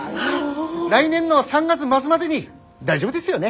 来年の３月末までに大丈夫ですよね？